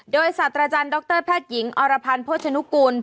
โดยศาสตราจารย์ดรแพทย์หญิงอรพันธ์โภชนุกูล